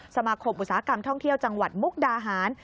อุตสาหกรรมท่องเที่ยวจังหวัดมุกดาหาร